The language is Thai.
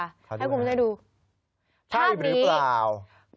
ให้คุณผู้ชมได้ดูใช่หรือเปล่า